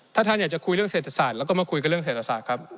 ถ้าท่านอยากจะคุยเรื่องเศรษฐศาสตร์แล้วก็มาคุยกับเรื่องเศรษฐศาสตร์ครับ